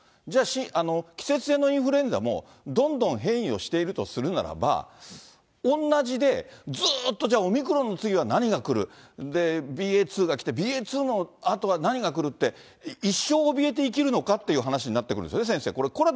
じゃあ、季節性のインフルエンザも、どんどん変異をしているとするならば、おんなじで、ずーっとじゃあ、オミクロンの次は何が来る、ＢＡ２が来て、ＢＡ２のあとは何が来るって、一生おびえて生きるのかという話になってくるんですよね。